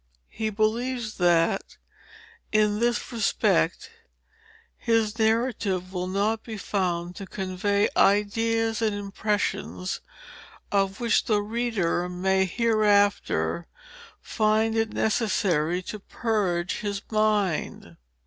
He believes that, in this respect, his narrative will not be found to convey ideas and impressions, of which the reader may hereafter find it necessary to purge his mind.